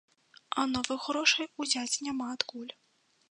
А новых грошай узяць няма адкуль.